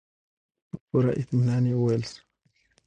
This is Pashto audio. په پوره اطمينان يې وويل.